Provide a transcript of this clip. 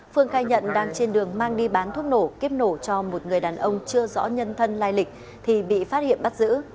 phương khai nhận đang trên đường mang đi bán thuốc nổ kiếp nổ cho một người đàn ông chưa rõ nhân thân lai lịch thì bị phát hiện bắt giữ